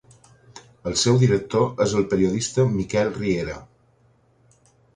El seu director és el periodista Miquel Riera.